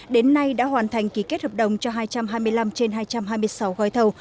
đến nay đã hoàn thành ký kết hợp đồng cho hai trăm hai mươi năm trên hai trăm hai mươi sáu gói thầu